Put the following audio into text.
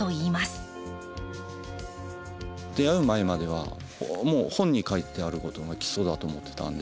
出会う前までは本に書いてあることが基礎だと思ってたんで。